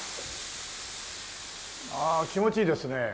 ああ気持ちいいですね。